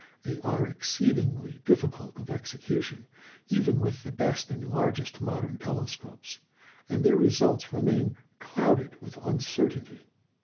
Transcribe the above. They are exceedingly difficult of execution, even with the best and largest modern telescopes; and their results remain clouded with uncertainty.